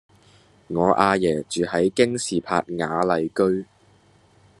我阿爺住喺京士柏雅麗居